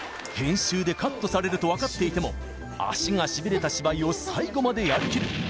編集でカットされるとわかっていても足がしびれた芝居を最後までやりきる